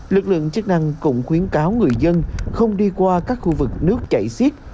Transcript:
lực lượng chức năng cũng khuyến cáo người dân không đi qua các khu vực nước chảy xiết